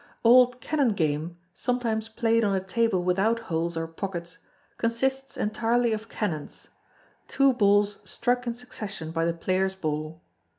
Old Canon Game, sometimes played on a table without holes or pockets, consists entirely of canons two balls struck in succession by the player's ball.